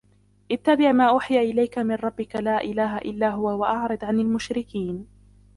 اتَّبِعْ مَا أُوحِيَ إِلَيْكَ مِنْ رَبِّكَ لَا إِلَهَ إِلَّا هُوَ وَأَعْرِضْ عَنِ الْمُشْرِكِينَ